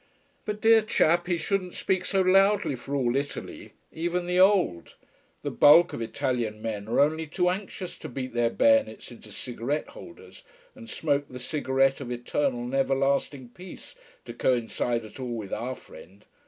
But dear chap, he shouldn't speak so loudly for all Italy even the old. The bulk of Italian men are only too anxious to beat their bayonets into cigarette holders, and smoke the cigarette of eternal and everlasting peace, to coincide at all with our friend.